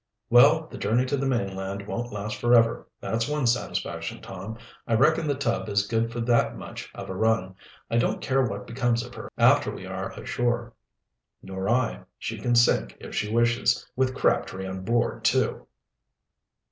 "Well, the journey to the mainland won't last forever that's one satisfaction, Tom. I reckon the tub is good for that much of a run. I don't care what becomes of her after we are ashore." "Nor I. She can sink if she wishes, with Crabtree on board, too."